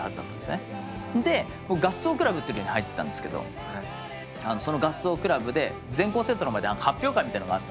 で僕合奏クラブに入ってたんですけどその合奏クラブで全校生徒の前で発表会があった。